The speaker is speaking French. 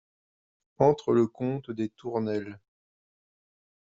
Entre le comte des Tournelles.